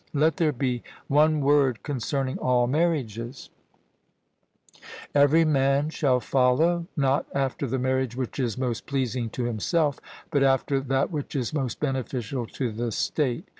Let there be one word concerning all marriages: Every man shall follow, not after the marriage which is most pleasing to himself, but after that which is most beneficial to the state.